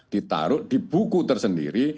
ditaruh di buku tersendiri